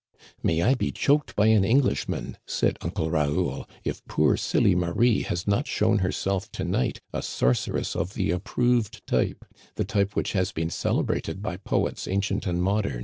" May I be choked by an Englishman," said Uncle Raoul, if poor silly Marie has not shown herself to night a sorceress of the approved t)rpe, the type which has been celebrated by poets ancient and modem.